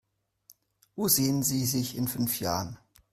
Wo sehen Sie sich in fünf Jahren?